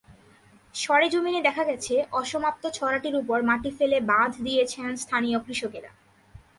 সরেজমিনে দেখা গেছে, অসমাপ্ত ছড়াটির ওপর মাটি ফেলে বাঁধ দিয়েছেন স্থানীয় কৃষকেরা।